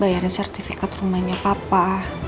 bayarin sertifikat rumahnya papa